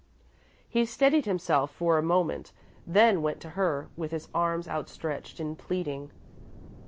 He steadied himself for a moment, then went to her, with his arms outstretched in pleading.